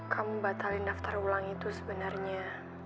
kamu batalin daftar ulang itu sebenarnya